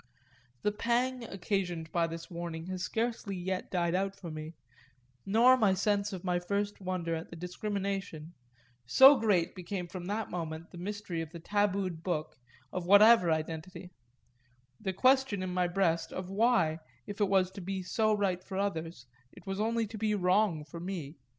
The pang occasioned by this warning has scarcely yet died out for me, nor my sense of my first wonder at the discrimination so great became from that moment the mystery of the tabooed book, of whatever identity; the question, in my breast, of why, if it was to be so right for others, it was only to be wrong for me.